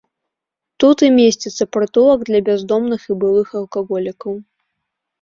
Тут і месціцца прытулак для бяздомных і былых алкаголікаў.